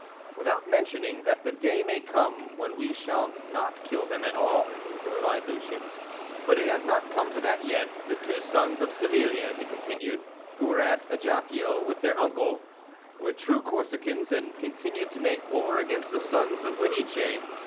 "Without mentioning that the day may come when we shall not kill them at all!" replied Lucien. "But it has not come to that yet. The two sons of Savilia," he continued, "who were at Ajaccio with their uncle, were true Corsicans, and continued to make war against the sons of Guidice.